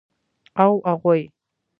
او اغوئ.